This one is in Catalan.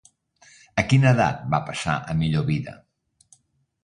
Amb quina edat va passar a millor vida?